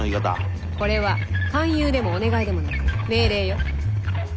これは「勧誘」でも「お願い」でもなく「命令」よ。